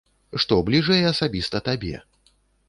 Што бліжэй асабіста табе?